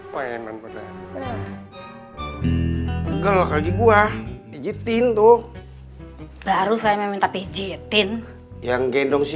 kalau lagi gua jitin tuh baru saya meminta pejitin yang gendong si